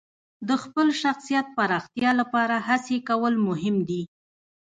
د خپل شخصیت پراختیا لپاره هڅې کول مهم دي.